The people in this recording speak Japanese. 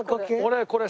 俺これ。